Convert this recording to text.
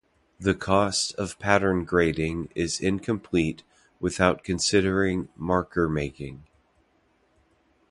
The cost of pattern grading is incomplete without considering marker making.